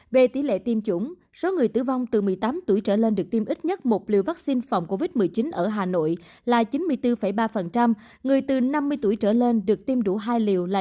về tỷ lệ tiêm chủng số người tử vong từ một mươi tám tuổi trở lên được tiêm ít nhất một liều vaccine phòng covid một mươi chín ở hà nội là chín mươi bốn ba người từ năm mươi tuổi trở lên được tiêm đủ hai liều là